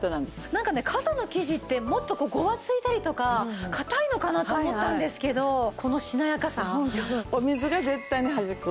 なんかね傘の生地ってもっとごわついたりとか硬いのかなと思ったんですけどこのしなやかさ。